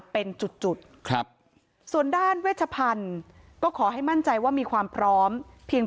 เป็นจุดจุดครับส่วนด้านเวชพันธุ์ก็ขอให้มั่นใจว่ามีความพร้อมเพียง